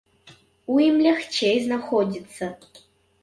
У ім лягчэй знаходзіцца.